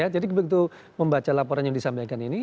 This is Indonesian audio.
jadi begitu membaca laporan yang disampaikan ini